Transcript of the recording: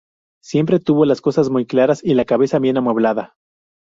Siempre tuvo las cosas muy claras y la cabeza bien amueblada